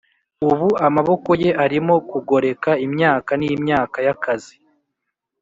ubu amaboko ye arimo kugoreka imyaka n'imyaka y'akazi,